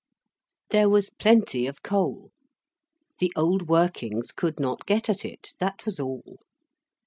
There was plenty of coal. The old workings could not get at it, that was all.